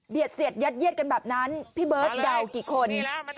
เสียดยัดเยียดกันแบบนั้นพี่เบิร์ตเดากี่คน